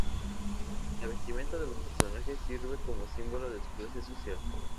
La vestimenta de los personajes sirve como símbolo de su clase social.